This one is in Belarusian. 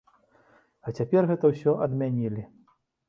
А цяпер гэта ўсё адмянілі.